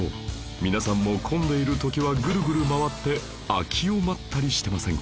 皆さんも混んでいる時はグルグル回って空きを待ったりしてませんか？